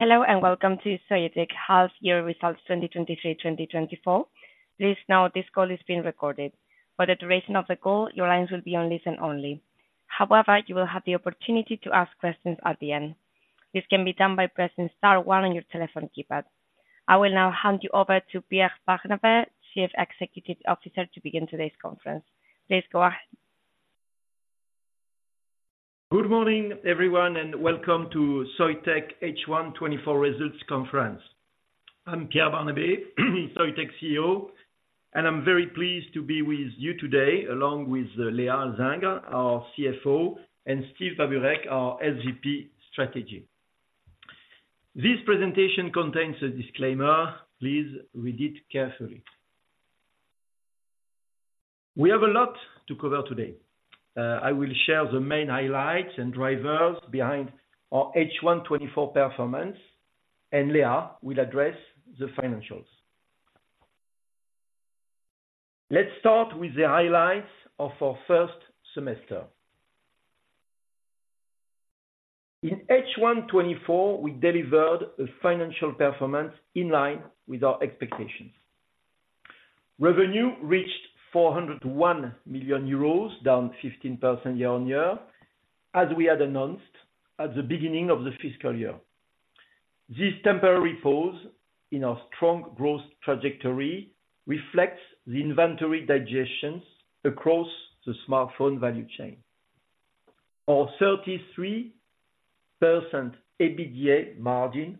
Hello, and welcome to Soitec Half Year Results 2023/2024. Please note this call is being recorded. For the duration of the call, your lines will be on listen only. However, you will have the opportunity to ask questions at the end. This can be done by pressing star one on your telephone keypad. I will now hand you over to Pierre Barnabé, Chief Executive Officer, to begin today's conference. Please go ahead. Good morning, everyone, and welcome to Soitec H1 2024 Results Conference. I'm Pierre Barnabé, Soitec's CEO, and I'm very pleased to be with you today, along with, Léa Alzingre, our CFO, and Steve Babureck, our SVP Strategy. This presentation contains a disclaimer. Please read it carefully. We have a lot to cover today. I will share the main highlights and drivers behind our H1 2024 performance, and Léa will address the financials. Let's start with the highlights of our first semester. In H1 2024, we delivered a financial performance in line with our expectations. Revenue reached 401 million euros, down 15% year-on-year, as we had announced at the beginning of the fiscal year. This temporary pause in our strong growth trajectory reflects the inventory digestion across the smartphone value chain. Our 33% EBITDA margin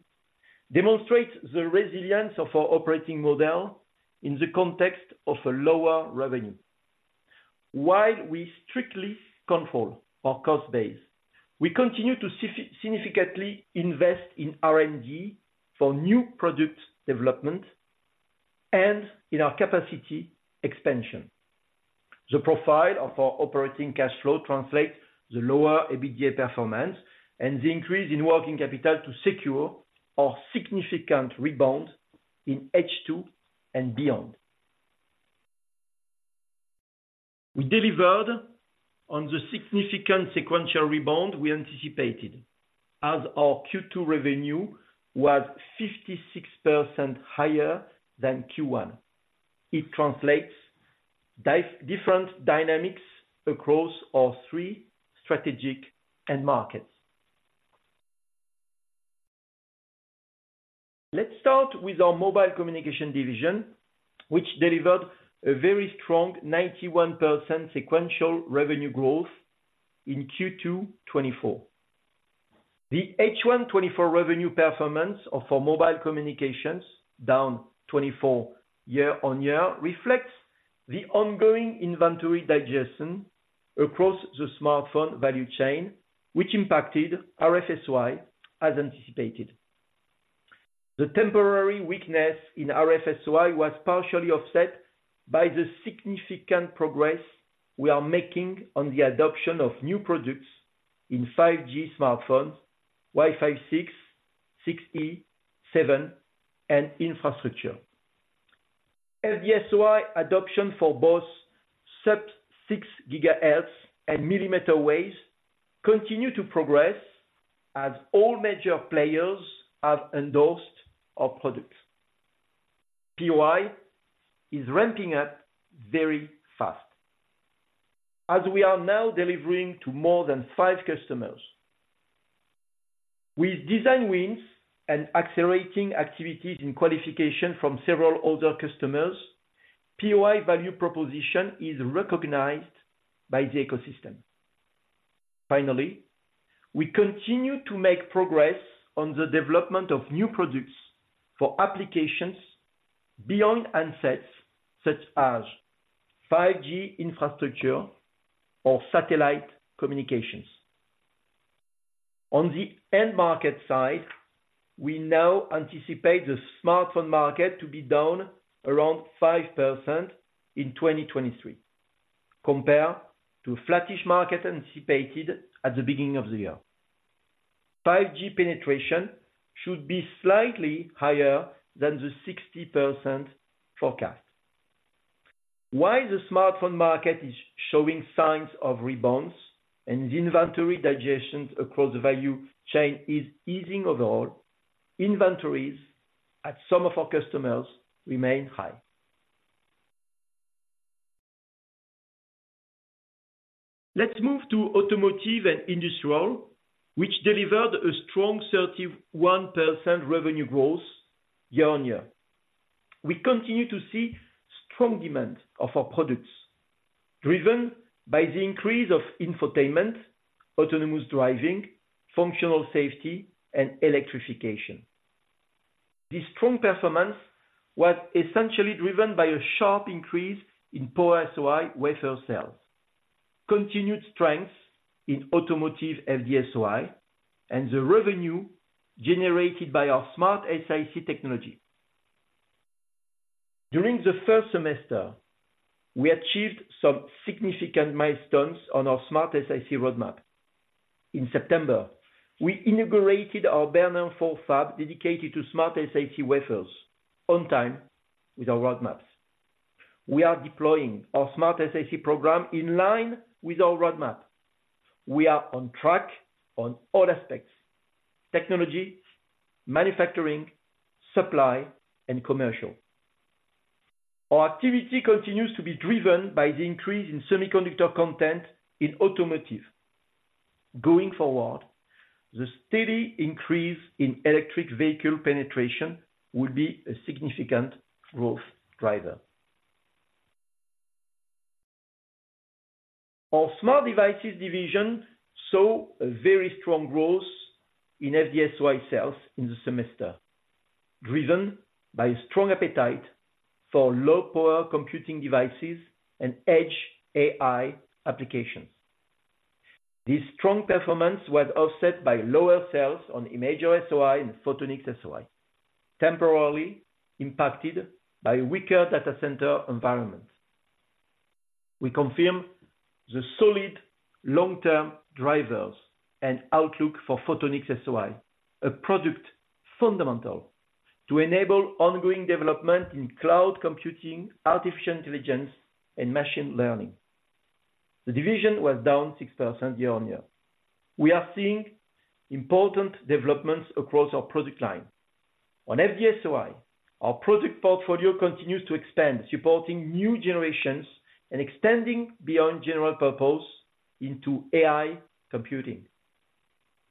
demonstrates the resilience of our operating model in the context of a lower revenue. While we strictly control our cost base, we continue to significantly invest in R&D for new product development and in our capacity expansion. The profile of our operating cash flow translates the lower EBITDA performance and the increase in working capital to secure our significant rebound in H2 and beyond. We delivered on the significant sequential rebound we anticipated, as our Q2 revenue was 56% higher than Q1. It translates different dynamics across our three strategic end markets. Let's start with our Mobile Communications division, which delivered a very strong 91% sequential revenue growth in Q2 2024. The H1 2024 revenue performance of our Mobile Communications, down 24% year-on-year, reflects the ongoing inventory digestion across the smartphone value chain, which impacted RF-SOI as anticipated. The temporary weakness in RF-SOI was partially offset by the significant progress we are making on the adoption of new products in 5G smartphones, Wi-Fi 6, 6E, 7 and infrastructure. FD-SOI adoption for both sub-6 GHz and millimeter wave continue to progress as all major players have endorsed our products. POI is ramping up very fast. As we are now delivering to more than five customers. With design wins and accelerating activities in qualification from several other customers, POI value proposition is recognized by the ecosystem. Finally, we continue to make progress on the development of new products for applications beyond handsets, such as 5G infrastructure or satellite communications. On the end market side, we now anticipate the smartphone market to be down around 5% in 2023, compared to flattish market anticipated at the beginning of the year. 5G penetration should be slightly higher than the 60% forecast. While the smartphone market is showing signs of rebounds and the inventory digestion across the value chain is easing overall, inventories at some of our customers remain high. Let's move to Automotive & Industrial, which delivered a strong 31% revenue growth year-on-year. We continue to see strong demand of our products, driven by the increase of infotainment, autonomous driving, functional safety and electrification. This strong performance was essentially driven by a sharp increase in POI wafer sales, continued strengths in automotive FD-SOI, and the revenue generated by our SmartSiC technology. During the first semester, we achieved some significant milestones on our SmartSiC roadmap. In September, we inaugurated our Bernin 4 fab, dedicated to SmartSiC wafers on time with our roadmap. We are deploying our SmartSiC program in line with our roadmap. We are on track on all aspects: technology, manufacturing, supply, and commercial. Our activity continues to be driven by the increase in semiconductor content in automotive. Going forward, the steady increase in electric vehicle penetration will be a significant growth driver. Our Smart Devices division saw a very strong growth in FD-SOI sales in the semester, driven by strong appetite for low-power computing devices and Edge AI applications. This strong performance was offset by lower sales on Imager-SOI and Photonics-SOI, temporarily impacted by weaker data center environment. We confirm the solid long-term drivers and outlook for Photonics-SOI, a product fundamental to enable ongoing development in cloud computing, artificial intelligence, and machine learning. The division was down 6% year-on-year. We are seeing important developments across our product line. On FD-SOI, our product portfolio continues to expand, supporting new generations and extending beyond general purpose into AI computing.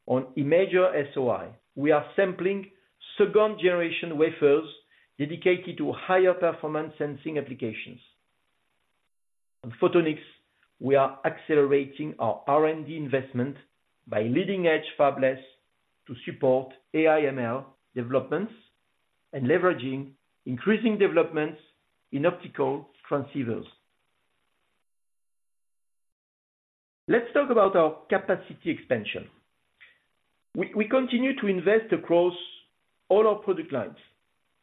On Imager-SOI, we are sampling second-generation wafers dedicated to higher performance sensing applications. On photonics, we are accelerating our R&D investment by leading-edge fabless to support AI/ML developments and leveraging increasing developments in optical transceivers. Let's talk about our capacity expansion. We continue to invest across all our product lines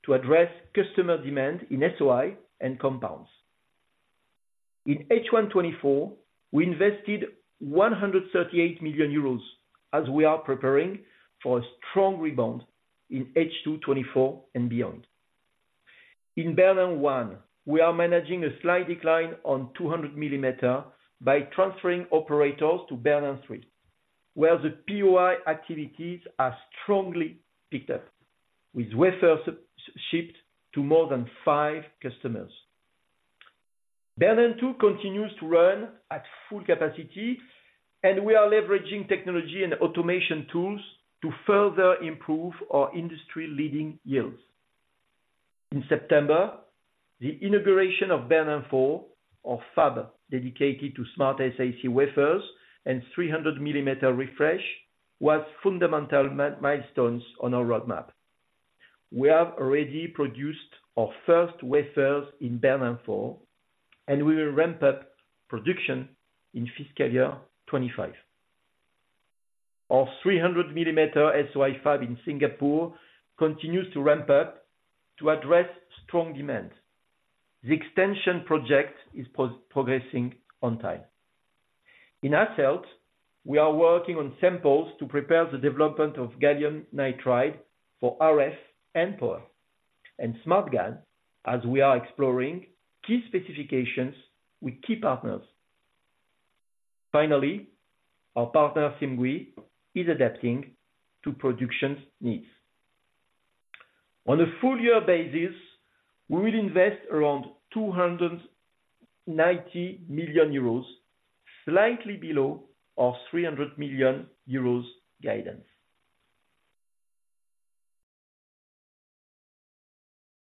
to address customer demand in SOI and compounds. In H1 2024, we invested 138 million euros, as we are preparing for a strong rebound in H2 2024 and beyond. In Bernin 1, we are managing a slight decline on 200 millimeter by transferring operators to Bernin 3, where the POI activities are strongly picked up, with wafers shipped to more than five customers. Bernin 2 continues to run at full capacity, and we are leveraging technology and automation tools to further improve our industry-leading yields. In September, the inauguration of Bernin 4, our fab dedicated to SmartSiC wafers and 300mm refresh, was fundamental milestones on our roadmap. We have already produced our first wafers in Bernin 4, and we will ramp up production in fiscal year 2025. Our 300mm SOI fab in Singapore continues to ramp up to address strong demand. The extension project is progressing on time. In-house, we are working on samples to prepare the development of gallium nitride for RF and power, and SmartGaN, as we are exploring key specifications with key partners. Finally, our partner, Simgui, is adapting to production's needs. On a full year basis, we will invest around 290 million euros, slightly below our 300 million euros guidance.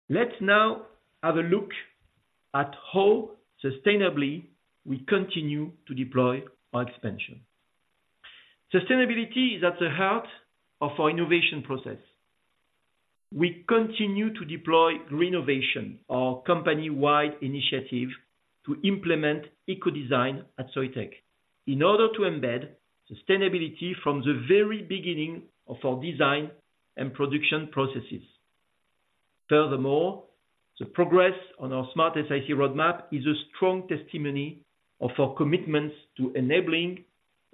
Let's now have a look at how sustainably we continue to deploy our expansion. Sustainability is at the heart of our innovation process. We continue to deploy Renovation, our company-wide initiative, to implement eco-design at Soitec, in order to embed sustainability from the very beginning of our design and production processes. Furthermore, the progress on our SmartSiC roadmap is a strong testimony of our commitments to enabling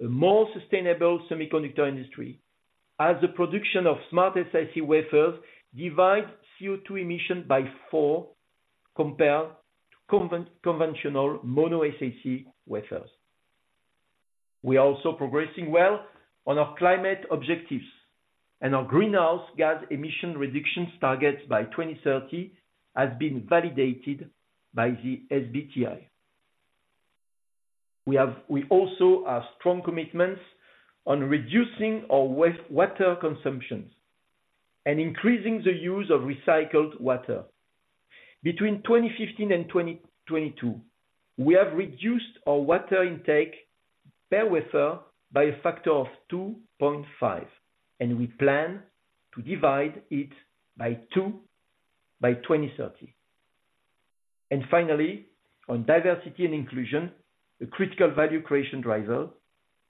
a more sustainable semiconductor industry, as the production of SmartSiC wafers divide CO2 emission by four compared to conventional mono-SiC wafers. We are also progressing well on our climate objectives, and our greenhouse gas emission reductions targets by 2030 has been validated by the SBTi. We also have strong commitments on reducing our waste water consumptions and increasing the use of recycled water. Between 2015 and 2022, we have reduced our water intake per wafer by a factor of 2.5, and we plan to divide it by 2 by 2030. And finally, on diversity and inclusion, a critical value creation driver,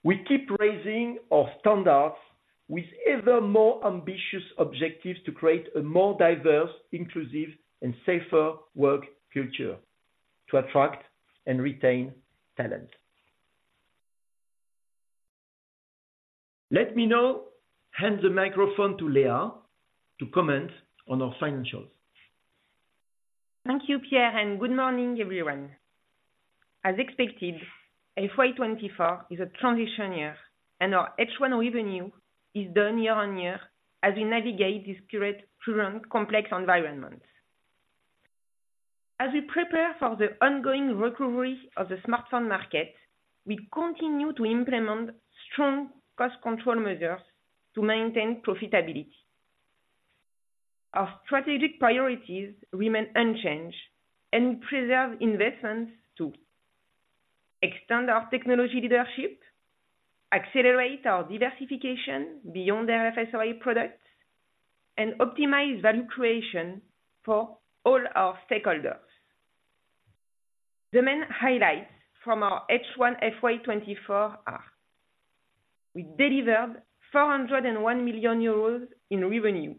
we keep raising our standards with ever more ambitious objectives to create a more diverse, inclusive, and safer work culture to attract and retain talent. Let me now hand the microphone to Léa to comment on our financials. Thank you, Pierre, and good morning, everyone. As expected, FY 2024 is a transition year, and our H1 revenue is down year-on-year as we navigate this current complex environment. As we prepare for the ongoing recovery of the smartphone market, we continue to implement strong cost control measures to maintain profitability. Our strategic priorities remain unchanged, and we preserve investments to extend our technology leadership, accelerate our diversification beyond the FD-SOI products, and optimize value creation for all our stakeholders. The main highlights from our H1 FY 2024 are: we delivered 401 million euros in revenue,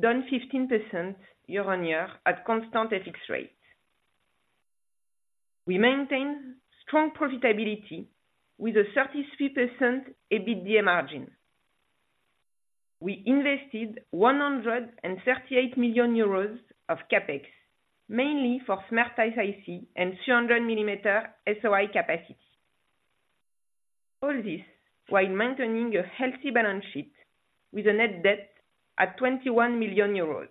down 15% year-on-year at constant FX rate. We maintained strong profitability with a 33% EBITDA margin. We invested 138 million euros of CapEx, mainly for SmartSiC and 300 mm SOI capacity. All this while maintaining a healthy balance sheet with a net debt at 21 million euros.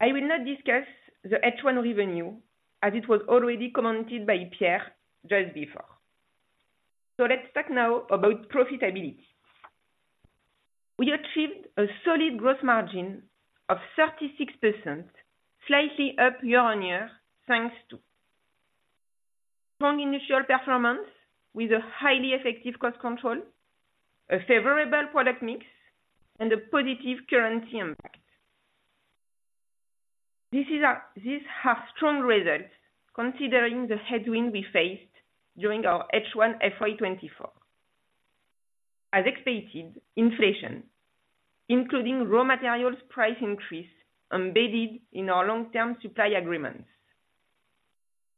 I will now discuss the H1 revenue, as it was already commented by Pierre just before. So let's talk now about profitability. We achieved a solid growth margin of 36%, slightly up year-on-year, thanks to strong initial performance with a highly effective cost control, a favorable product mix, and a positive currency impact. This has strong results considering the headwind we faced during our H1 FY 2024. As expected, inflation, including raw materials price increase embedded in our long-term supply agreements,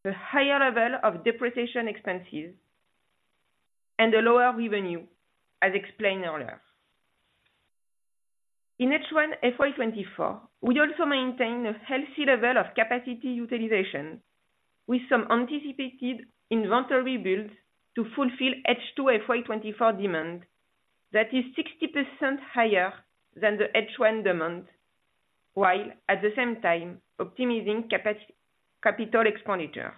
the higher level of depreciation expenses, and a lower revenue, as explained earlier. In H1 FY 2024, we also maintain a healthy level of capacity utilization with some anticipated inventory build to fulfill H2 FY 2024 demand that is 60% higher than the H1 demand, while at the same time optimizing capital expenditure.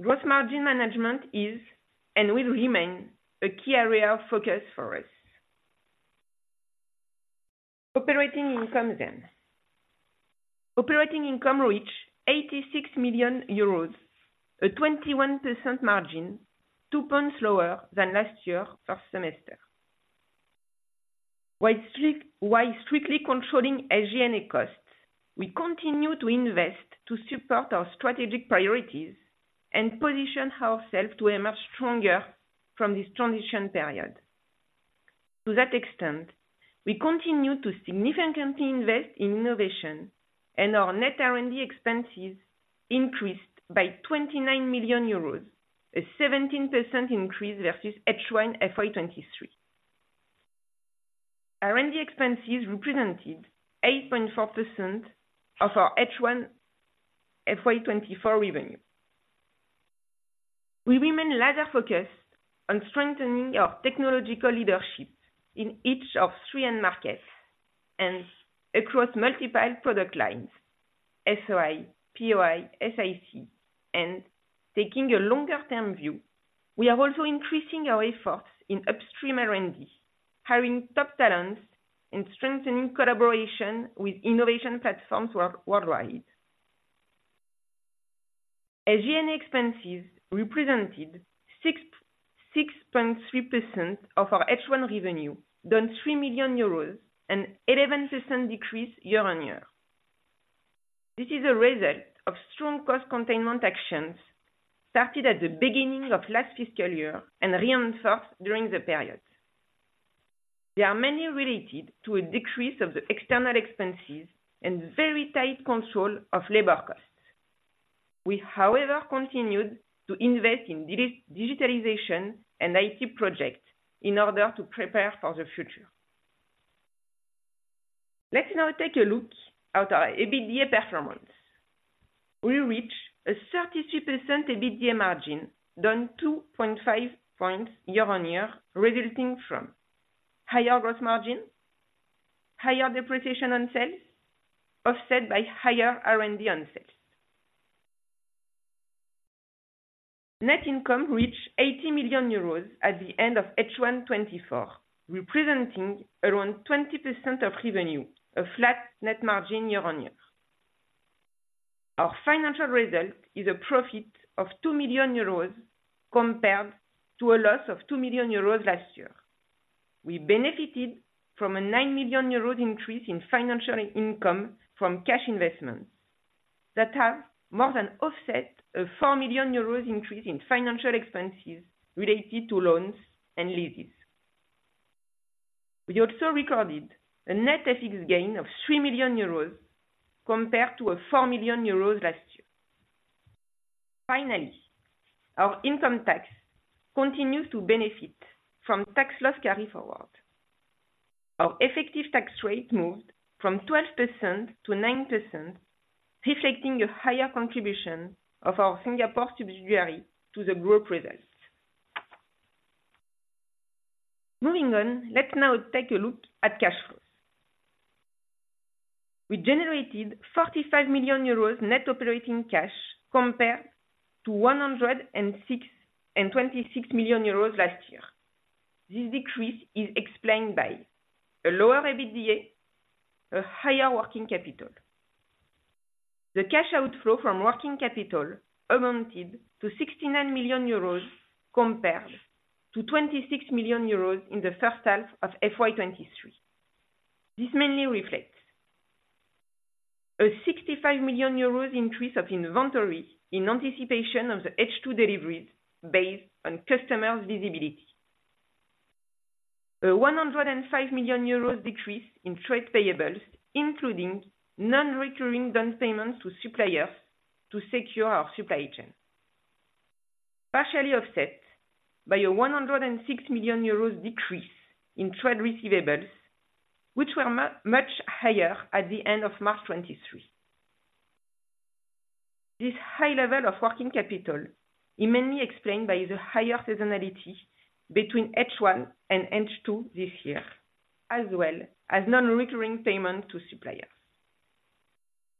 Gross margin management is and will remain a key area of focus for us. Operating income then. Operating income reached 86 million euros, a 21% margin, 2 points lower than last year first semester. While strictly controlling SG&A costs, we continue to invest to support our strategic priorities and position ourselves to a much stronger from this transition period. To that extent, we continue to significantly invest in innovation, and our net R&D expenses increased by 29 million euros, a 17% increase versus H1 FY 2023. R&D expenses represented 8.4% of our H1 FY 2024 revenue. We remain laser focused on strengthening our technological leadership in each of three end markets and across multiple product lines, SOI, POI, SiC, and taking a longer term view. We are also increasing our efforts in upstream R&D, hiring top talents and strengthening collaboration with innovation platforms worldwide. SG&A expenses represented 6.3% of our H1 revenue, down 3 million euros, an 11% decrease year-on-year. This is a result of strong cost containment actions started at the beginning of last fiscal year and reinforced during the period. They are mainly related to a decrease of the external expenses and very tight control of labor costs. We, however, continued to invest in digitalization and IT project in order to prepare for the future. Let's now take a look at our EBITDA performance. We reached a 33% EBITDA margin, down 2.5 points year-on-year, resulting from higher gross margin, higher depreciation on sales, offset by higher R&D on sales. Net income reached 80 million euros at the end of H1 2024, representing around 20% of revenue, a flat net margin year-on-year. Our financial result is a profit of 2 million euros compared to a loss of 2 million euros last year. We benefited from a 9 million euros increase in financial income from cash investments that have more than offset a 4 million euros increase in financial expenses related to loans and leases. We also recorded a net FX gain of 3 million euros compared to a 4 million euros last year. Finally, our income tax continues to benefit from tax loss carryforward. Our effective tax rate moved from 12% to 9%, reflecting a higher contribution of our Singapore subsidiary to the group results. Moving on, let's now take a look at cash flows. We generated 45 million euros net operating cash compared to 106.26 million euros last year. This decrease is explained by a lower EBITDA, a higher working capital. The cash outflow from working capital amounted to 69 million euros, compared to 26 million euros in the first half of FY 2023. This mainly reflects a 65 million euros increase of inventory in anticipation of the H2 deliveries based on customer visibility. A 105 million euros decrease in trade payables, including non-recurring down payments to suppliers to secure our supply chain, partially offset by a 106 million euros decrease in trade receivables, which were much higher at the end of March 2023. This high level of working capital is mainly explained by the higher seasonality between H1 and H2 this year, as well as non-recurring payment to suppliers.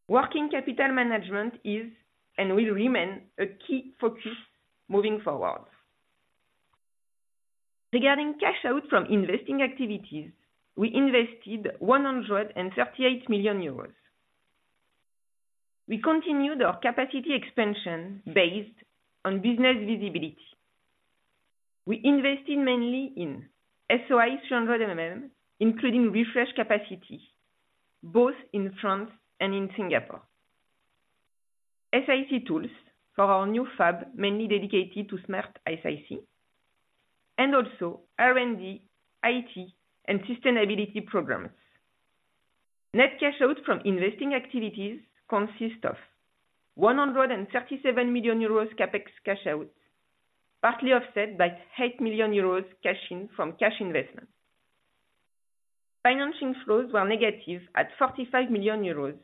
Working capital management is and will remain a key focus moving forward. Regarding cash out from investing activities, we invested 138 million euros. We continued our capacity expansion based on business visibility. We invested mainly in SOI 300 mm, including refresh capacity, both in France and in Singapore. SiC tools for our new fab, mainly dedicated to SmartSiC, and also R&D, IT, and sustainability programs. Net cash out from investing activities consist of 137 million euros CapEx cash outs, partly offset by 8 million euros cash in from cash investment. Financing flows were negative at 45 million euros,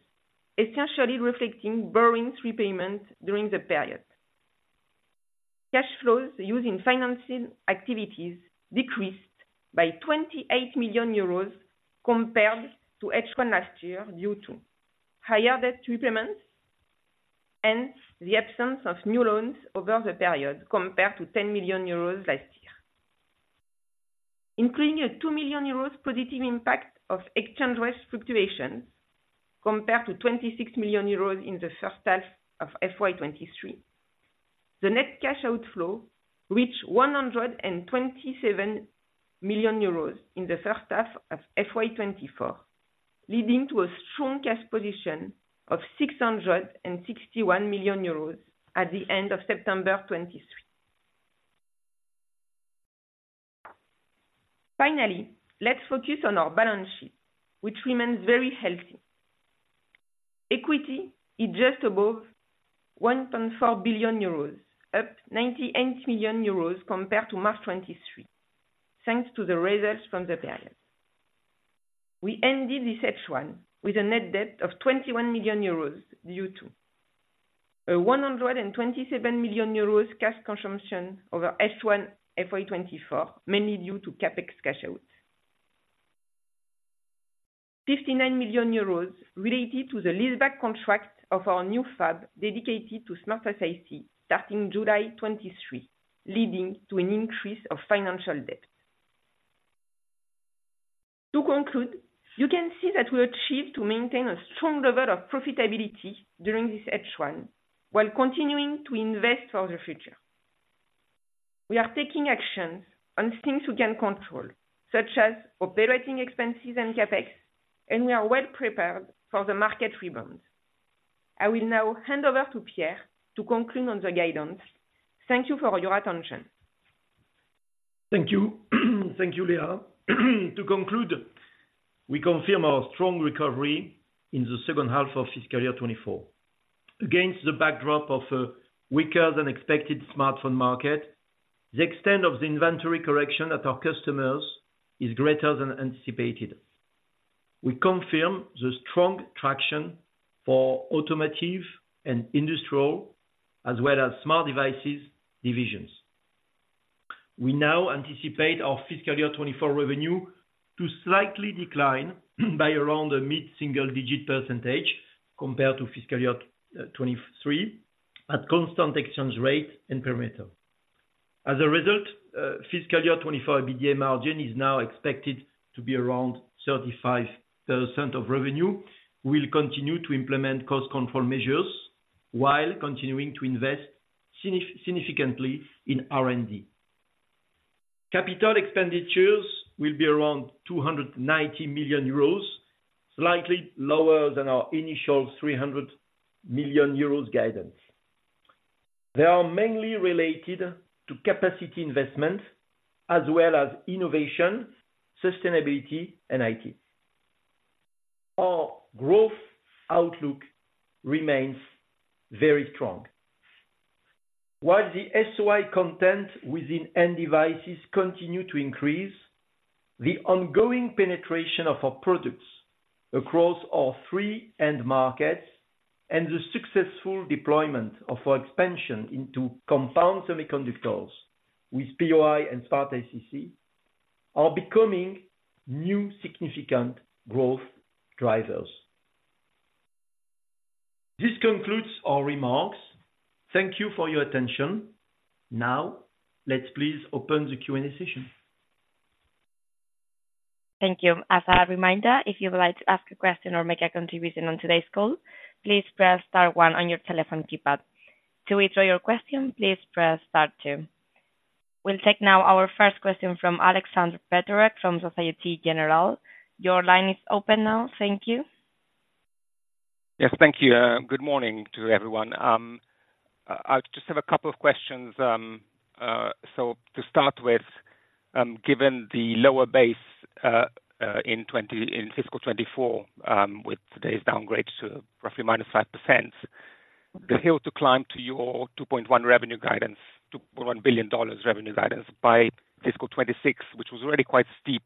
essentially reflecting borrowing repayments during the period. Cash flows using financing activities decreased by 28 million euros compared to H1 last year, due to higher debt repayments and the absence of new loans over the period, compared to 10 million euros last year. Including a 2 million euros positive impact of exchange rate fluctuations, compared to 26 million euros in the first half of FY 2023, the net cash outflow reached 127 million euros in the first half of FY 2024, leading to a strong cash position of 661 million euros at the end of September 2023. Finally, let's focus on our balance sheet, which remains very healthy. Equity is just above 1.4 billion euros, up 98 million euros compared to March 2023, thanks to the results from the period. We ended this H1 with a net debt of 21 million euros due to a 127 million euros cash consumption over H1 FY 2024, mainly due to CapEx cash out. 59 million euros related to the leaseback contract of our new fab, dedicated to SmartSiC, starting July 2023, leading to an increase of financial debt. To conclude, you can see that we achieved to maintain a strong level of profitability during this H1, while continuing to invest for the future. We are taking actions on things we can control, such as operating expenses and CapEx, and we are well prepared for the market rebound. I will now hand over to Pierre to conclude on the guidance. Thank you for your attention. Thank you. Thank you, Léa. To conclude, we confirm our strong recovery in the second half of fiscal year 2024. Against the backdrop of a weaker than expected smartphone market, the extent of the inventory correction at our customers is greater than anticipated. We confirm the strong traction for automotive and industrial, as well as smart devices divisions. We now anticipate our fiscal year 2024 revenue to slightly decline by around a mid-single-digit percentage compared to fiscal year 2023, at constant exchange rate and perimeter. As a result, fiscal year 2024 EBITDA margin is now expected to be around 35% of revenue. We'll continue to implement cost control measures while continuing to invest significantly in R&D. Capital expenditures will be around 290 million euros, slightly lower than our initial 300 million euros guidance.... They are mainly related to capacity investment, as well as innovation, sustainability, and IT. Our growth outlook remains very strong. While the SOI content within end devices continue to increase, the ongoing penetration of our products across all three end markets and the successful deployment of our expansion into compound semiconductors with POI and SmartSiC are becoming new significant growth drivers. This concludes our remarks. Thank you for your attention. Now, let's please open the Q&A session. Thank you. As a reminder, if you'd like to ask a question or make a contribution on today's call, please press star one on your telephone keypad. To withdraw your question, please press star two. We'll take now our first question from Aleksander Peterc from Société Générale. Your line is open now. Thank you. Yes, thank you. Good morning to everyone. I just have a couple of questions. So to start with, given the lower base in fiscal 2024, with today's downgrade to roughly -5%, the hill to climb to your $2.1 billion revenue guidance by fiscal 2026, which was already quite steep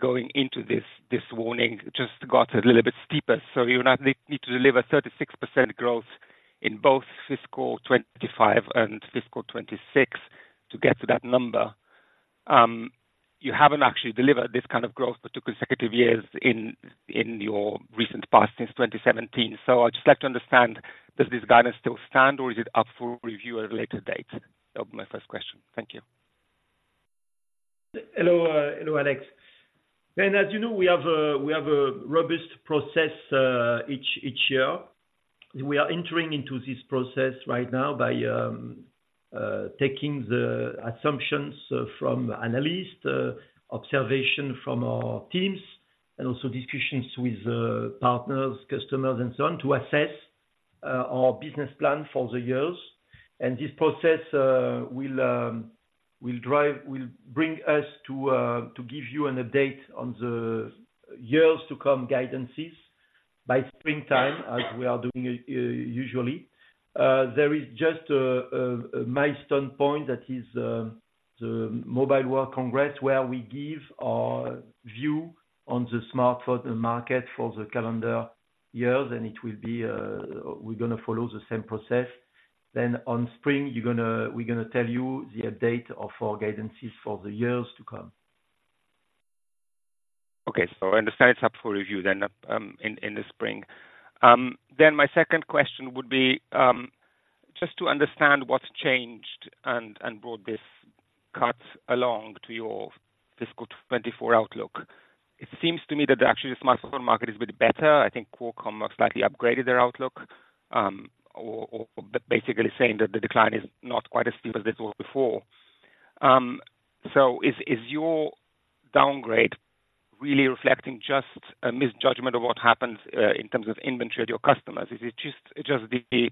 going into this, this warning, just got a little bit steeper. So you now need to deliver 36% growth in both fiscal 2025 and fiscal 2026 to get to that number. You haven't actually delivered this kind of growth for two consecutive years in your recent past, since 2017. So I'd just like to understand, does this guidance still stand or is it up for review at a later date? That was my first question. Thank you. Hello, hello, Alex. Then, as you know, we have a robust process each year. We are entering into this process right now by taking the assumptions from analyst observation from our teams, and also discussions with partners, customers, and so on, to assess our business plan for the years. And this process will bring us to give you an update on the years to come guidances by springtime, as we are doing usually. There is just a milestone point that is the Mobile World Congress, where we give our view on the smartphone market for the calendar years, and it will be, we're gonna follow the same process. Then on spring, we're gonna tell you the update of our guidances for the years to come. Okay. So I understand it's up for review then, in the spring. Then my second question would be, just to understand what's changed and brought this cut along to your fiscal 2024 outlook. It seems to me that actually the smartphone market is a bit better. I think Qualcomm slightly upgraded their outlook, or but basically saying that the decline is not quite as steep as it was before. So is your downgrade really reflecting just a misjudgment of what happened in terms of inventory at your customers? Is it just the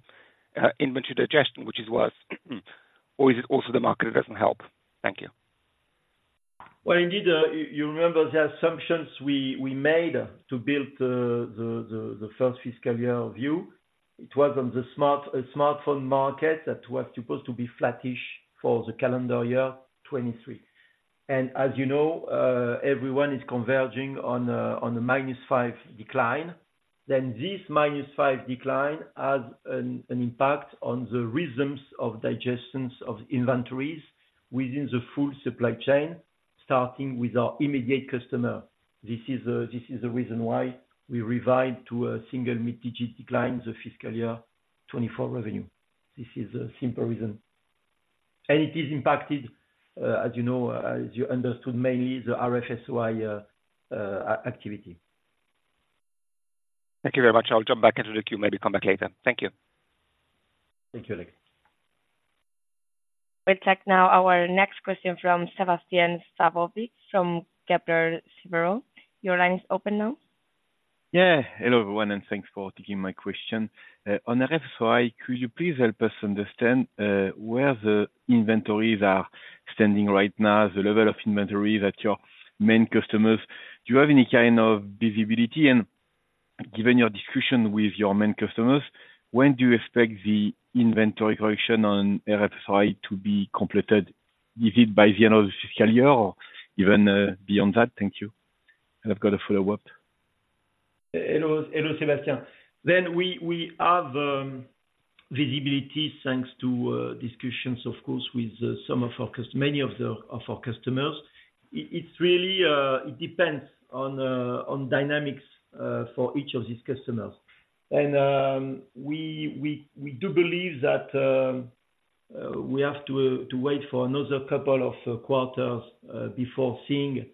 inventory digestion, which is worse, or is it also the market doesn't help? Thank you. Well, indeed, you remember the assumptions we made to build the first fiscal year view. It was on the smartphone market that was supposed to be flattish for the calendar year 2023. And as you know, everyone is converging on a -5% decline. Then this -5% decline has an impact on the rhythms of digestion of inventories within the full supply chain, starting with our immediate customer. This is the reason why we revise to a single mid-digit decline the fiscal year 2024 revenue. This is a simple reason, and it is impacted, as you know, as you understood, mainly the RF-SOI activity. Thank you very much. I'll jump back into the queue, maybe come back later. Thank you. Thank you, Alex. We'll take now our next question from Sébastien Sztabowicz from Kepler Cheuvreux. Your line is open now. Yeah. Hello, everyone, and thanks for taking my question. On RF-SOI, could you please help us understand, where the inventories are standing right now, the level of inventory that your main customers... Do you have any kind of visibility? And given your discussion with your main customers, when do you expect the inventory correction on RF-SOI to be completed? Is it by the end of the fiscal year or even, beyond that? Thank you, and I've got a follow-up. Hello, hello, Sébastien. Then we have visibility thanks to discussions of course with many of our customers. It's really. It depends on dynamics for each of these customers. And we do believe that we have to wait for another couple of quarters before seeing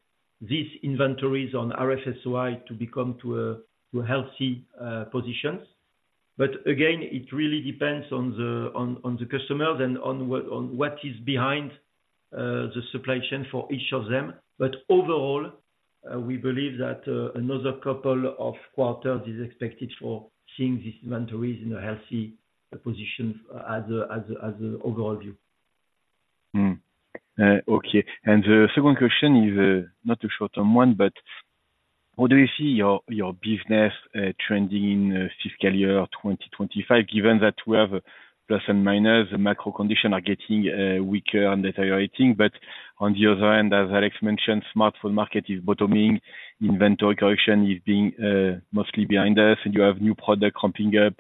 these inventories on RF-SOI to become to a healthy positions. But again, it really depends on the customers and on what is behind the supply chain for each of them. But overall, we believe that another couple of quarters is expected for seeing these inventories in a healthy position as an overall view. Okay.The second question is not a short-term one, but how do you see your business trending in fiscal year 2025, given that we have a plus and minus, the macro conditions are getting weaker and deteriorating. On the other hand, as Alex mentioned, smartphone market is bottoming, inventory correction is being mostly behind us, and you have new product ramping up,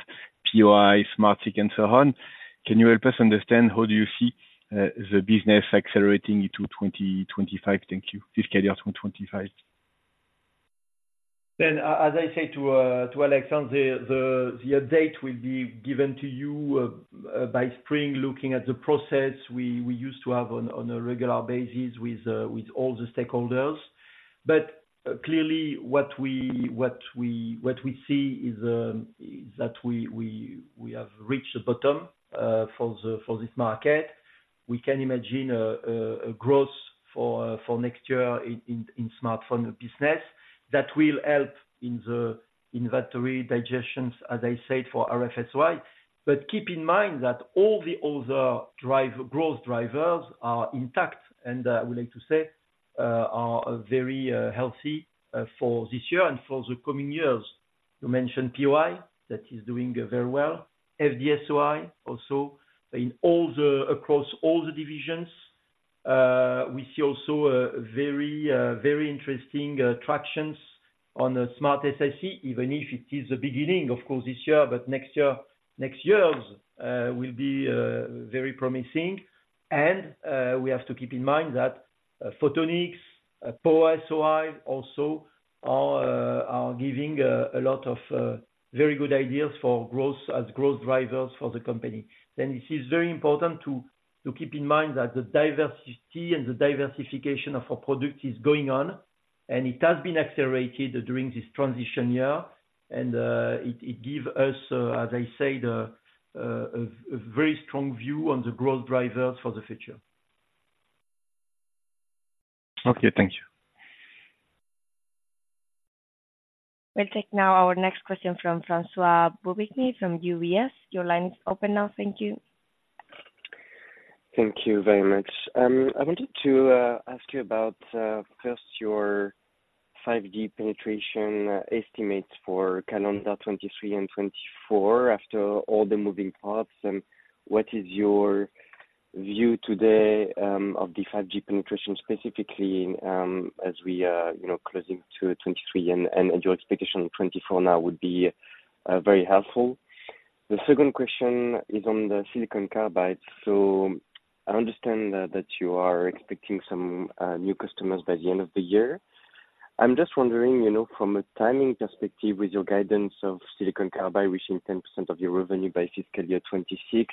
POI, SmartSiC, and so on. Can you help us understand how do you see the business accelerating into 2025? Thank you. Fiscal year 2025. Then, as I said to Alexander, the update will be given to you by spring, looking at the process we used to have on a regular basis with all the stakeholders. But clearly, what we see is that we have reached the bottom for this market. We can imagine a growth for next year in smartphone business that will help in the inventory digesters, as I said, for RFSO. But keep in mind that all the other growth drivers are intact, and I would like to say are very healthy for this year and for the coming years. You mentioned POI, that is doing very well. FD-SOI also across all the divisions. We see also a very, very interesting tractions on the SmartSiC, even if it is the beginning, of course, this year, but next year, next years, will be very promising. And we have to keep in mind that Photonics, POI, SOI also are giving a lot of very good ideas for growth as growth drivers for the company. Then it is very important to keep in mind that the diversity and the diversification of our product is going on, and it has been accelerated during this transition year. And it give us, as I said, a very strong view on the growth drivers for the future. Okay, thank you. We'll take now our next question from François Bouvignies from UBS. Your line is open now. Thank you. Thank you very much. I wanted to ask you about first your 5G penetration estimates for calendar 2023 and 2024 after all the moving parts, and what is your view today of the 5G penetration, specifically, as we are, you know, closing in on 2023 and your expectation in 2024 now would be very helpful. The second question is on the silicon carbide. So I understand that you are expecting some new customers by the end of the year. I'm just wondering, you know, from a timing perspective, with your guidance of silicon carbide reaching 10% of your revenue by fiscal year 2026.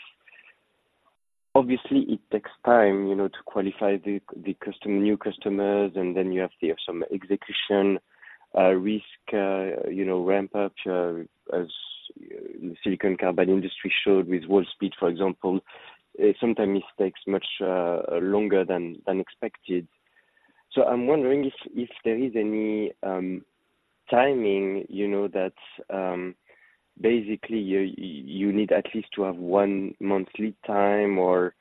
Obviously, it takes time, you know, to qualify the customer, new customers, and then you have to have some execution risk, you know, ramp up, as silicon carbide industry showed with Wolfspeed, for example. Sometimes it takes much longer than expected. I'm wondering if there is any timing, you know, that basically you need at least to have one monthly time or.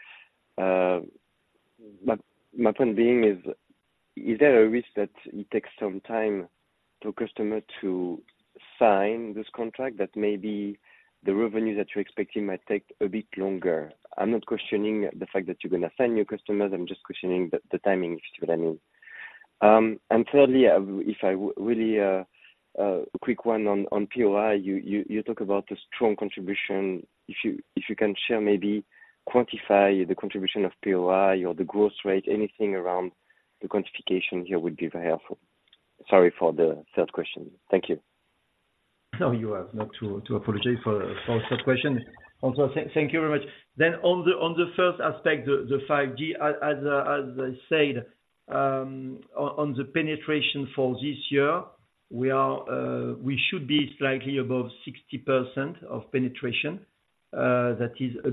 My point being is there a risk that it takes some time for customer to sign this contract, that maybe the revenue that you're expecting might take a bit longer? I'm not questioning the fact that you're going to sign new customers. I'm just questioning the timing, if you see what I mean. And thirdly, really quick one on POI. You talk about a strong contribution. If you can share, maybe quantify the contribution of POI or the growth rate, anything around the quantification here would be very helpful. Sorry for the third question. Thank you. No, you have not to apologize for the third question. Also, thank you very much. Then on the first aspect, the 5G, as I said, on the penetration for this year, we should be slightly above 60% penetration. That is a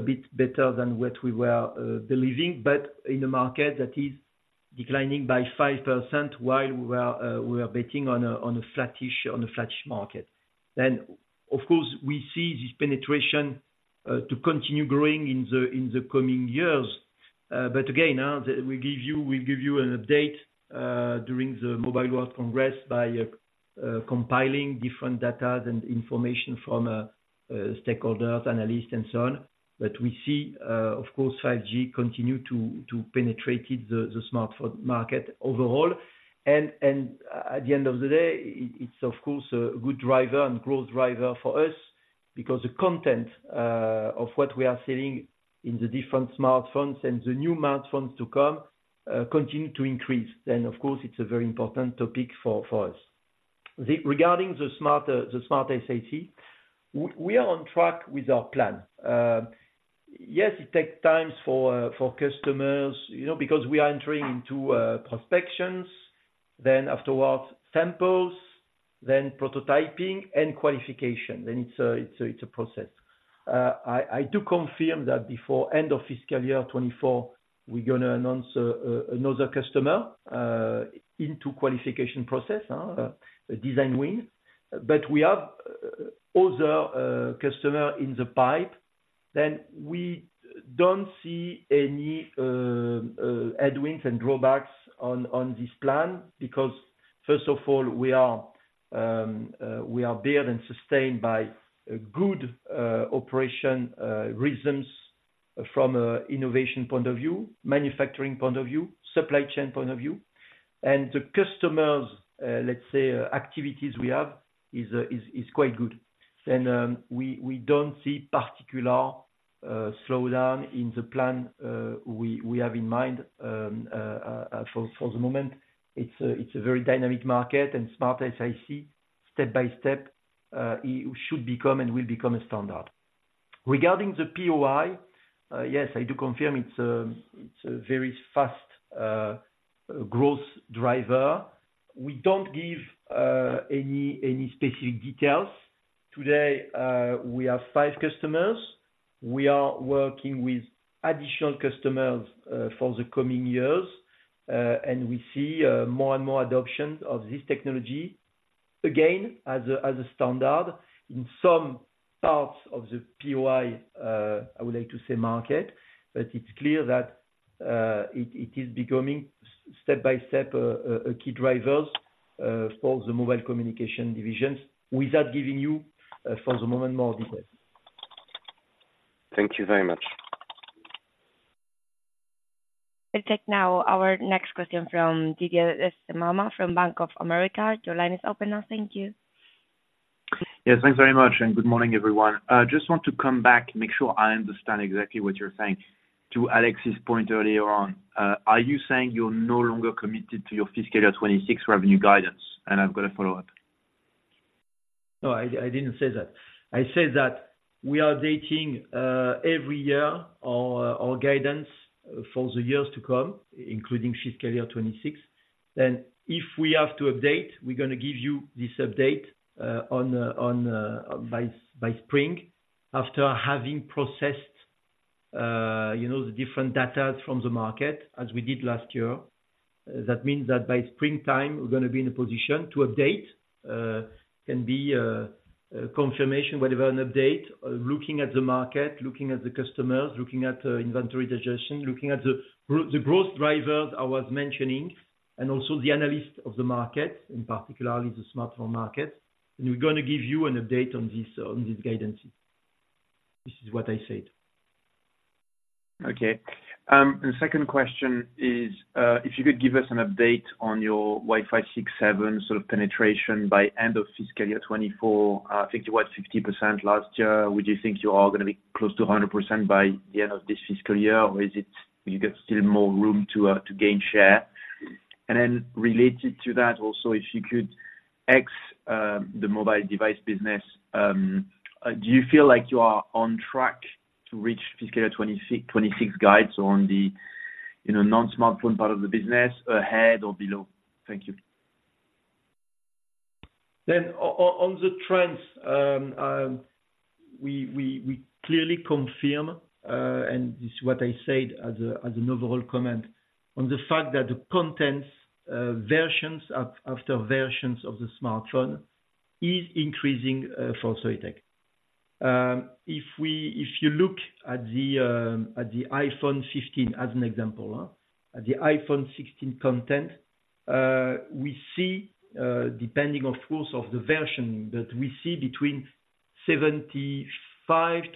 bit better than what we were believing, in a market that is declining by 5% while we are betting on a flattish market. Then, of course, we see this penetration to continue growing in the coming years, but again, now we give you an update during the Mobile World Congress by compiling different data and information from stakeholders, analysts, and so on. We see, of course, 5G continue to penetrate the smartphone market overall. And at the end of the day, it's of course a good driver and growth driver for us because the content of what we are selling in the different smartphones and the new smartphones to come continue to increase. Then, of course, it's a very important topic for us. Regarding the SmartSiC, we are on track with our plan. Yes, it takes time for customers, you know, because we are entering into prospections, then afterwards, samples, then prototyping and qualification, then it's a process. I do confirm that before end of fiscal year 2024, we're gonna announce another customer into qualification process, a design win. We have other customer in the pipeline, then we don't see any headwinds and drawbacks on this plan, because first of all, we are built and sustained by a good operation reasons from a innovation point of view, manufacturing point of view, supply chain point of view. The customers, let's say, activities we have is quite good. Then, we don't see particular slowdown in the plan we have in mind. For the moment, it's a very dynamic market and SmartSiC, step by step, it should become and will become a standard. Regarding the POI, yes, I do confirm it's a very fast growth driver. We don't give any specific details. Today, we have five customers. We are working with additional customers for the coming years. And we see more and more adoption of this technology, again, as a standard in some parts of the POI, I would like to say market. But it's clear that it is becoming step by step a key drivers for the mobile communication divisions, without giving you for the moment more details. Thank you very much. We'll take now our next question from Didier Scemama from Bank of America. Your line is open now. Thank you. Yes, thanks very much, and good morning, everyone. I just want to come back, make sure I understand exactly what you're saying. To Alex's point earlier on, are you saying you're no longer committed to your fiscal year 2026 revenue guidance? I've got a follow-up. No, I didn't say that. I said that we are updating every year our guidance for the years to come, including fiscal year 2026. Then if we have to update, we're gonna give you this update on by spring, after having processed, you know, the different data from the market as we did last year. That means that by springtime, we're gonna be in a position to update, can be, a confirmation, whatever, an update, looking at the market, looking at the customers, looking at inventory digestion, looking at the growth drivers I was mentioning, and also the analyst of the market, and particularly the smartphone market. And we're gonna give you an update on this, on this guidance. This is what I said. Okay. Second question is, if you could give us an update on your Wi-Fi 6, 7 sort of penetration by end of fiscal year 2024. It was 50% last year. Would you think you are gonna be close to 100% by the end of this fiscal year, or is it you got still more room to to gain share? Then related to that, also, if you could X the mobile device business, do you feel like you are on track to reach fiscal year 2026 guides on the, you know, non-smartphone part of the business ahead or below? Thank you. Then on the trends, we clearly confirm, and this is what I said as an overall comment, on the fact that the content versions after versions of the smartphone is increasing, for Soitec. If you look at the iPhone 15, as an example, at the iPhone 16 content, we see, depending of course, on the version, that we see between 75-78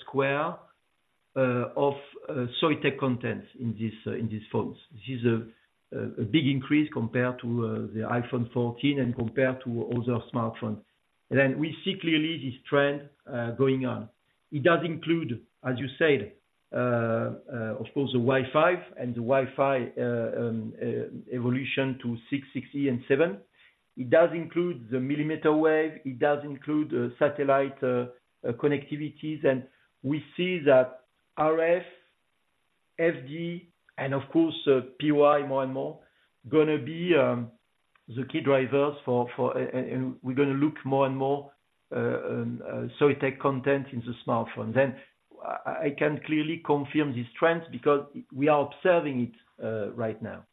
square millimeters of Soitec content in these phones. This is a big increase compared to the iPhone 14 and compared to other smartphones. Then we see clearly this trend going on. It does include, as you said, of course, the Wi-Fi and the Wi-Fi evolution to 6, 6E, and 7. It does include the millimeter wave, it does include satellite connectivities, and we see that RF, FD, and of course, POI more and more gonna be the key drivers for we're gonna look more and more Soitec content in the smartphone. Then I can clearly confirm this trend because we are observing it right now.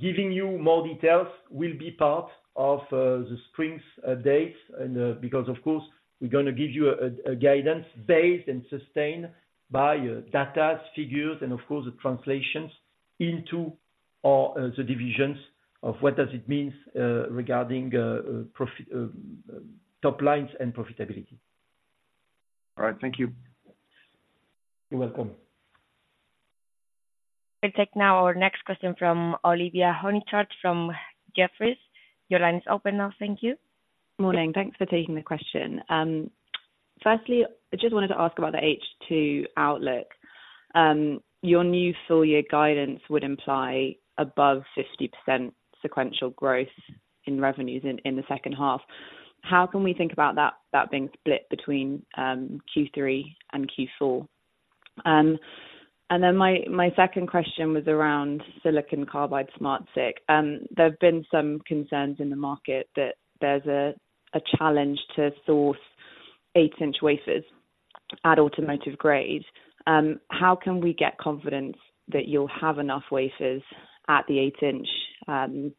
Giving you more details will be part of the spring dates, and because of course, we're gonna give you a guidance based and sustained by data, figures, and of course, the translations into or the divisions of what does it mean regarding top lines and profitability. All right. Thank you. You're welcome. We'll take now our next question from Olivia Sherwood from Jefferies. Your line is open now. Thank you. Morning. Thanks for taking the question. Firstly, I just wanted to ask about the H2 outlook. Your new full year guidance would imply above 50% sequential growth in revenues in the second half. How can we think about that being split between Q3 and Q4? Then my second question was around silicon carbide SmartSiC. There have been some concerns in the market that there's a challenge to source 8-inch wafers at automotive grade. How can we get confidence that you'll have enough wafers at the 8-inch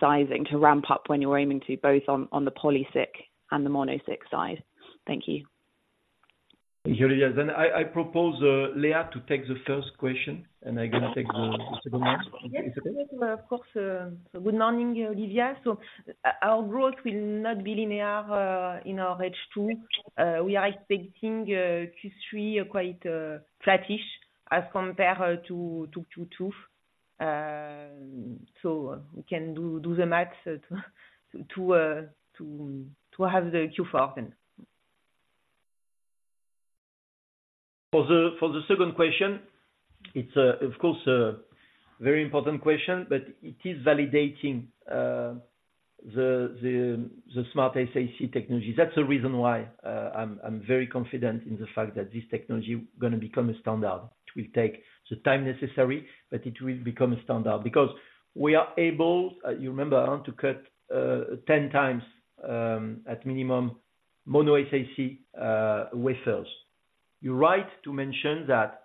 sizing to ramp up when you're aiming to both on the poly-SiC and the mono-SiC side? Thank you. Thank you, Olivia. Then I propose, Léa to take the first question, and I can take the second one. Okay? Yes, of course. Good morning, Olivia. So our growth will not be linear in our H2. We are expecting Q3 quite flattish as compared to Q2. So we can do the math to have the Q4 then. For the second question, it's of course a very important question, but it is validating the SmartSiC technology. That's the reason why I'm very confident in the fact that this technology gonna become a standard. It will take the time necessary, but it will become a standard. We are able, you remember, to cut 10 times at minimum mono-SiC wafers. You're right to mention that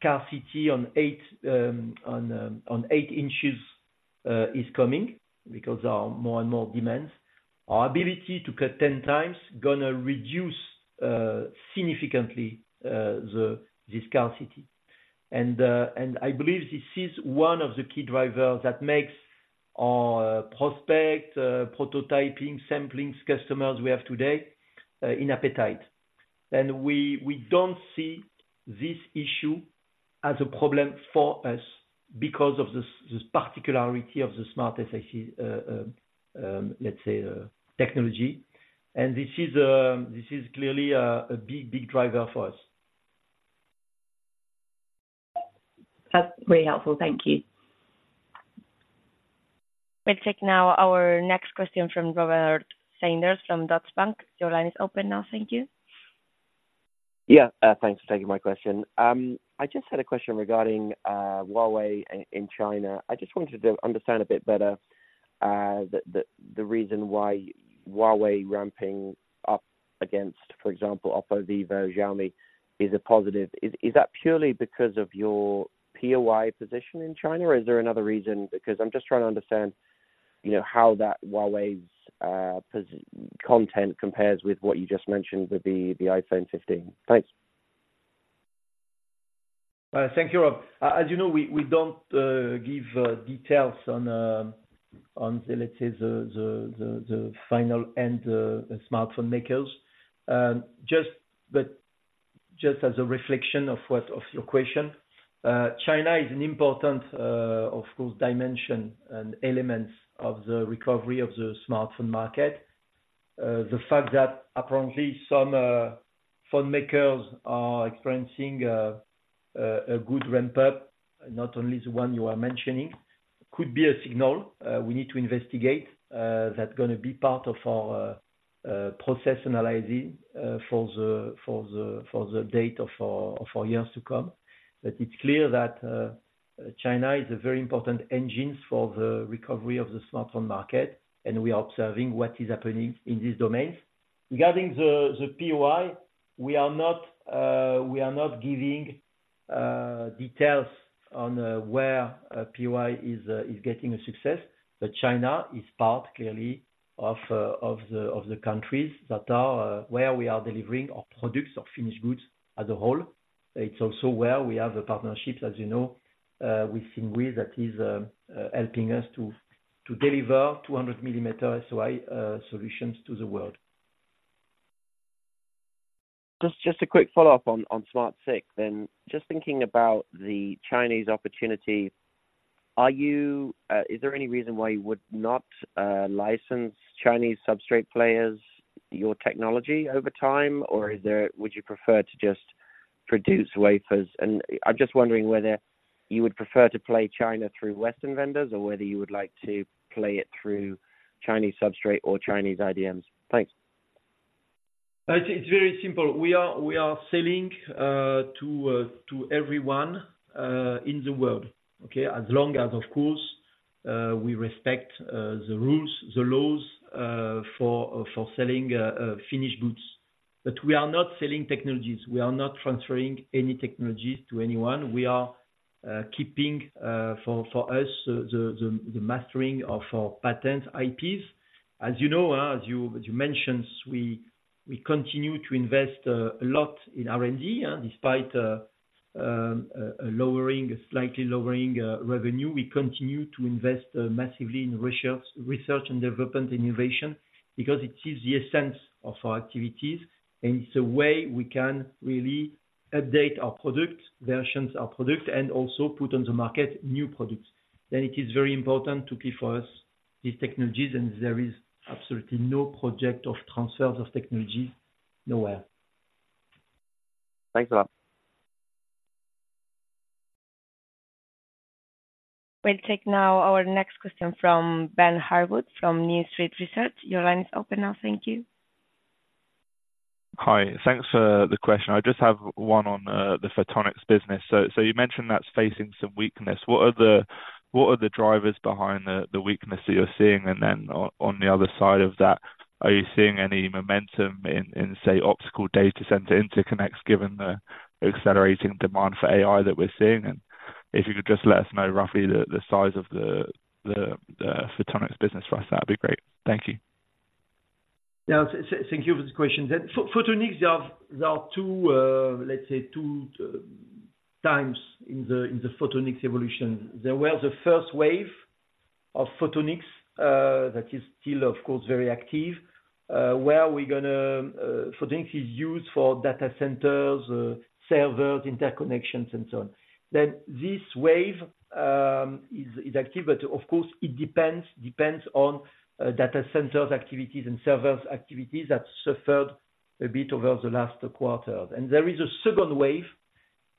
scarcity on 8 inches is coming because there are more and more demands. Our ability to cut 10 times gonna reduce significantly the scarcity. I believe this is one of the key drivers that makes our prospect prototyping samplings customers we have today in appetite. We don't see this issue as a problem for us because of this particularity of the SmartSiC, let's say, technology. This is clearly a big, big driver for us. That's very helpful. Thank you. We'll take now our next question from Robert Sanders from Deutsche Bank. Your line is open now. Thank you. Yeah. Thanks for taking my question. I just had a question regarding Huawei in China. I just wanted to understand a bit better the reason why Huawei ramping up against, for example, Oppo, Vivo, Xiaomi, is a positive. Is that purely because of your POI position in China, or is there another reason? Because I'm just trying to understand, you know, how that Huawei's content compares with what you just mentioned, with the iPhone 15. Thanks. Thank you, Rob. As you know, we don't give details on, let's say, the final end smartphone makers. Just as a reflection of your question, China is an important, of course, dimension and element of the recovery of the smartphone market. The fact that apparently some phone makers are experiencing a good ramp up, not only the one you are mentioning, could be a signal we need to investigate. That's gonna be part of our process analyzing for the data for years to come. But it's clear that China is a very important engine for the recovery of the smartphone market, and we are observing what is happening in these domains. Regarding the POI, we are not giving details on where POI is getting a success, but China is part clearly of the countries that are where we are delivering our products, our finished goods as a whole. It's also where we have a partnership, as you know, with Simgui, that is helping us to deliver 200-millimeter SOI solutions to the world. Just a quick follow-up on SmartSiC, then. Just thinking about the Chinese opportunity, are you... is there any reason why you would not license Chinese substrate players your technology over time? Or is there. Would you prefer to just produce wafers? And I'm just wondering whether you would prefer to play China through Western vendors, or whether you would like to play it through Chinese substrate or Chinese IDMs. Thanks. I think it's very simple. We are selling to everyone in the world, okay? As long as, of course, we respect the rules, the laws for selling finished goods. But we are not selling technologies. We are not transferring any technologies to anyone. We are keeping for us the mastering of our patents IPs. As you know, as you mentioned, we continue to invest a lot in R&D, and despite slightly lowering revenue, we continue to invest massively in research and development innovation, because it is the essence of our activities, and it's a way we can really update our products, version our products, and also put on the market new products. It is very important to keep, for us, these technologies, and there is absolutely no project of transfers of technology nowhere. Thanks a lot. We'll take now our next question from Ben Harwood from New Street Research. Your line is open now. Thank you. Hi, thanks for the question. I just have one on the Photonics business. So you mentioned that's facing some weakness. What are the drivers behind the weakness that you're seeing? And then on the other side of that, are you seeing any momentum in, say, optical data center interconnects, given the accelerating demand for AI that we're seeing? And if you could just let us know roughly the size of the Photonics business for us, that'd be great. Thank you. Yeah. Thank you for the question. Then Photonics, there are, there are two, let's say two, times in the, in the Photonics evolution. There were the first wave of Photonics, that is still, of course, very active, where we're gonna... Photonics is used for data centers, servers, interconnections and so on. Then this wave, is, is active, but of course, it depends, depends on, data centers activities and servers activities that suffered a bit over the last quarter. And there is a second wave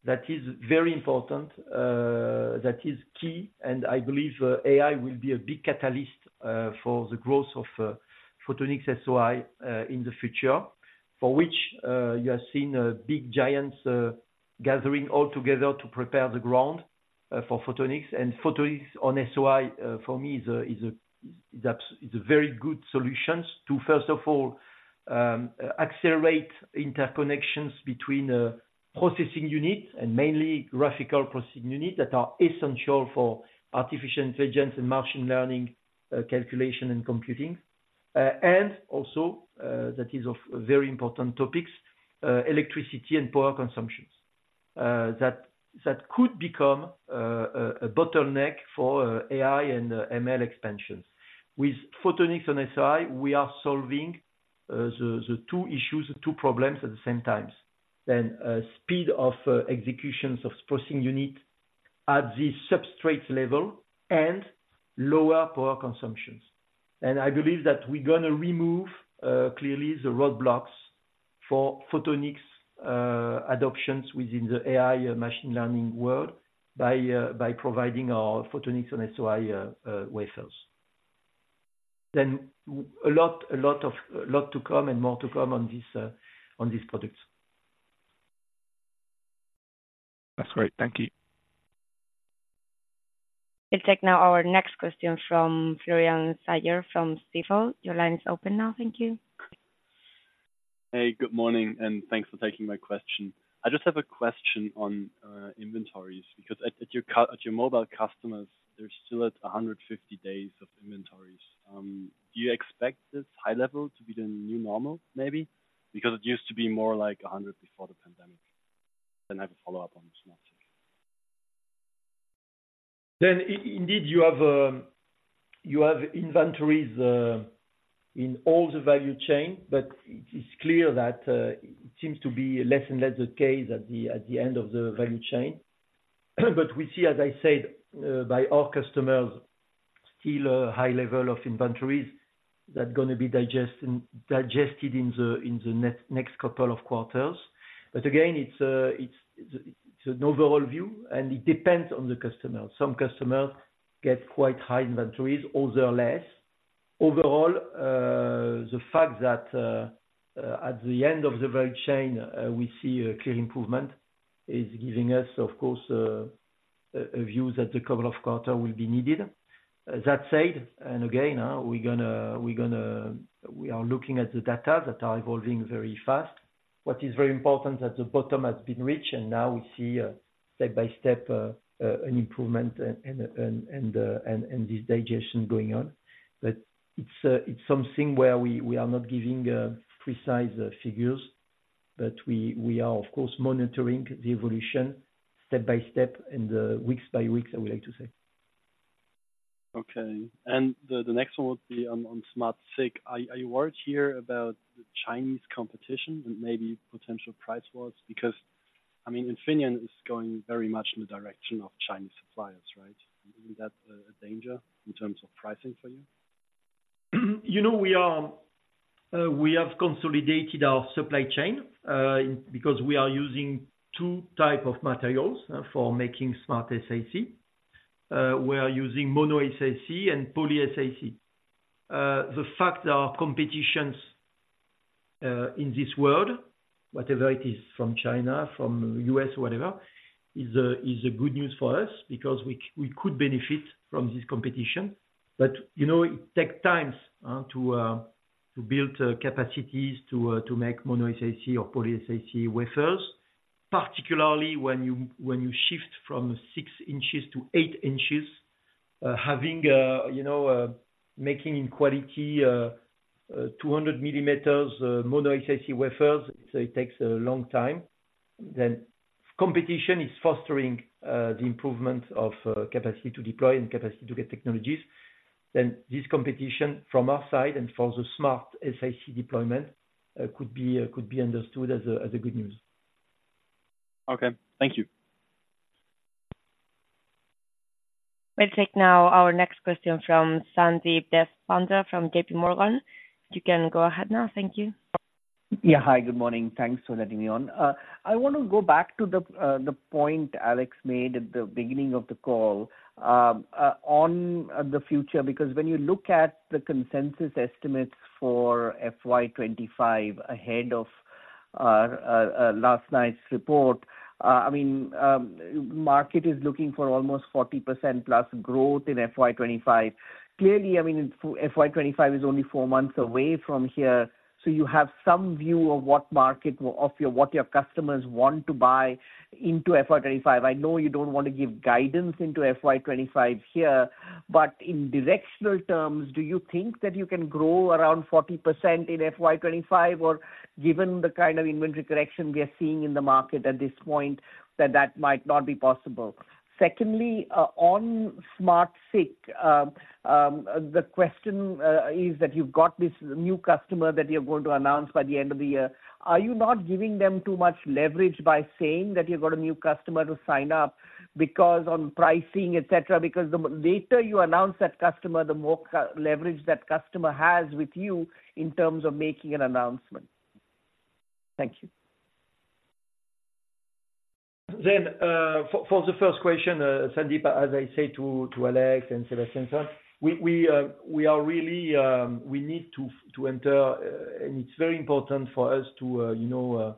that is very important, that is key, and I believe, AI will be a big catalyst, for the growth of, Photonics-SOI, in the future. For which, you have seen a big giants, gathering all together to prepare the ground, for Photonics. Photonics-SOI, for me, is a very good solutions. To first of all, accelerate interconnections between, processing units and mainly graphical processing units, that are essential for artificial intelligence and machine learning, calculation and computing. And also, that is of very important topics, electricity and power consumptions. That could become, a bottleneck for, AI and, ML expansions. With Photonics-SOI, we are solving, the two issues, the two problems at the same times. Then, speed of, executions of processing unit at the substrate level and lower power consumptions. And I believe that we're gonna remove, clearly the roadblocks for Photonics, adoptions within the AI machine learning world, by, by providing our Photonics-SOI, wafers. A lot to come and more to come on this, on these products. That's great. Thank you. We'll take now our next question from Florian Sager, from Stifel. Your line is open now. Thank you. Hey, good morning, and thanks for taking my question. I just have a question on inventories, because at your mobile customers, they're still at 150 days of inventories. Do you expect this high level to be the new normal, maybe? Because it used to be more like 100 before the pandemic. Then I have a follow-up on SmartSiC. Then indeed, you have inventories in all the value chain, but it's clear that it seems to be less and less the case at the end of the value chain. But we see, as I said, by our customers, still a high level of inventories that gonna be digested in the next couple of quarters. But again, it's an overall view, and it depends on the customer. Some customers get quite high inventories, others less. Overall, the fact that at the end of the value chain we see a clear improvement is giving us, of course, a view that the couple of quarter will be needed. That said, and again, we're gonna, we are looking at the data that are evolving very fast. What is very important, that the bottom has been reached, and now we see a step by step improvement and this digestion going on. But it's something where we are not giving precise figures, but we are, of course, monitoring the evolution step by step and weeks by weeks, I would like to say. Okay. And the next one would be on SmartSiC. Are you worried here about the Chinese competition and maybe potential price wars? Because, I mean, Infineon is going very much in the direction of Chinese suppliers, right? Isn't that a danger in terms of pricing for you? We are, we have consolidated our supply chain, because we are using two type of materials for making SmartSiC. We are using mono-SiC and poly-SiC. The fact there are competitions, in this world, whatever it is, from China, from U.S. or whatever, is a, is a good news for us because we could benefit from this competition. But, you know, it take times, to, to build capacities, to, to make mono-SiC or poly-SiC wafers. Particularly, when you, when you shift from 6 inches to 8 inches, having, you know, making in quality, 200 millimeters, mono-SiC wafers, it takes a long time. Then competition is fostering, the improvement of, capacity to deploy and capacity to get technologies. Then this competition from our side and for the SmartSiC deployment could be understood as a good news. Okay. Thank you. We'll take now our next question from Sandeep Deshpande from JP Morgan. You can go ahead now. Thank you. Yeah. Hi, good morning. Thanks for letting me on. I want to go back to the point Alex made at the beginning of the call, on the future, because when you look at the consensus estimates for FY 25 ahead of last night's report, I mean, market is looking for almost 40%+ growth in FY 25. Clearly, I mean, FY 25 is only four months away from here, so you have some view of what market of your-- what your customers want to buy into FY 25. I know you don't want to give guidance into FY 25 here, but in directional terms, do you think that you can grow around 40% in FY 25? Or given the kind of inventory correction we are seeing in the market at this point, that that might not be possible. Secondly, on SmartSiC, the question is that you've got this new customer that you're going to announce by the end of the year. Are you not giving them too much leverage by saying that you've got a new customer to sign up? Because on pricing, et cetera, because the later you announce that customer, the more leverage that customer has with you in terms of making an announcement. Thank you. Then, for the first question, Sandeep, as I said to Alex and Sébastien, sir, we are really, we need to enter, and it's very important for us to, you know,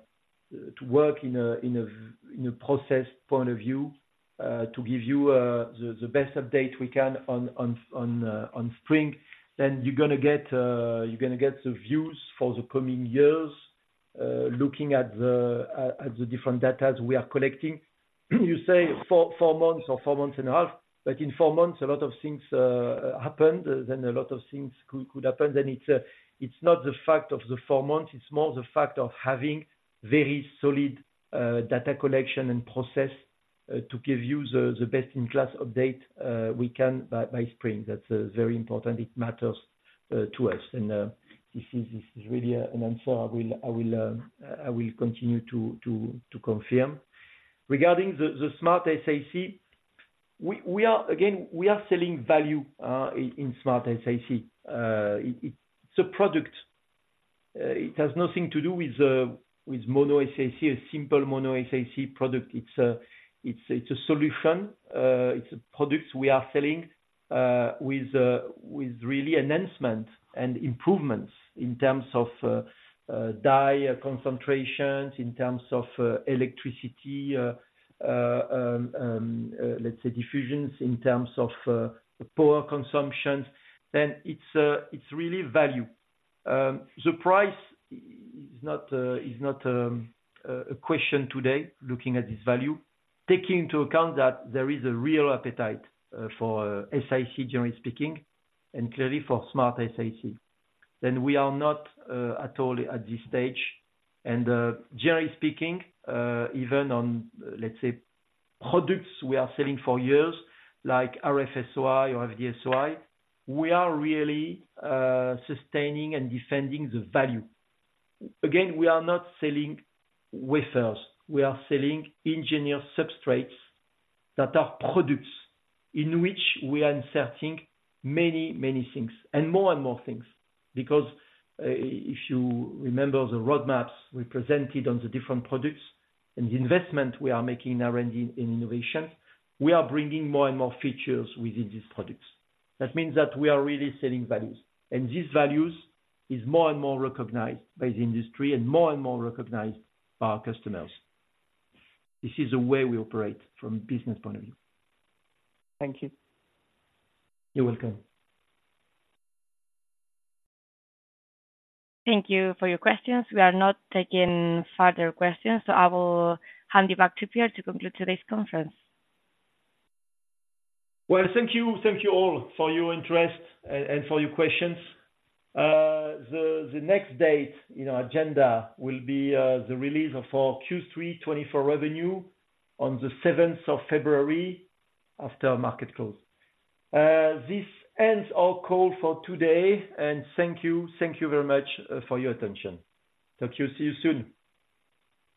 to work in a process point of view, to give you the best update we can on spring. Then you're gonna get, you're gonna get the views for the coming years, looking at the different data we are collecting. You say four months or four months and a half, but in four months a lot of things happened, then a lot of things could happen. Then it's not the fact of the four months; it's more the fact of having very solid data collection and process to give you the best in class update we can by spring. That's very important. It matters to us, and this is really an answer I will continue to confirm. Regarding the SmartSiC, we are. Again, we are selling value in SmartSiC. It's a product. It has nothing to do with mono-SiC, a simple mono-SiC product. It's a solution. It's a product we are selling with really enhancement and improvements in terms of dye concentrations, in terms of electricity, let's say diffusions, in terms of poor consumptions, then it's really value. The price is not a question today, looking at this value. Taking into account that there is a real appetite for SiC, generally speaking, and clearly for SmartSiC, then we are not at all at this stage. Generally speaking, even on, let's say, products we are selling for years, like RF-SOI or FD-SOI, we are really sustaining and defending the value. Again, we are not selling wafers. We are selling engineered substrates that are products in which we are inserting many, many things and more and more things. If you remember the roadmaps we presented on the different products and the investment we are making in R&D, in innovation, we are bringing more and more features within these products. That means that we are really selling values, and these values is more and more recognized by the industry and more and more recognized by our customers. This is the way we operate from business point of view. Thank you. You're welcome. Thank you for your questions. We are not taking further questions, so I will hand you back to Pierre to conclude today's conference. Well, thank you. Thank you all for your interest and for your questions. The next date in our agenda will be the release of our Q3 2024 revenue on the seventh of February, after market close. This ends our call for today, and thank you, thank you very much for your attention. Thank you. See you soon.